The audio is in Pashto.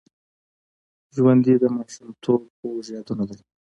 ژوندي د ماشومتوب خوږ یادونه لري